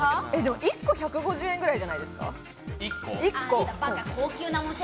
１個１５０円ぐらいじゃないですか？